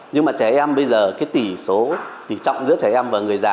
nhưng mà trẻ em bây giờ cái tỷ số tỷ trọng giữa trẻ em và người già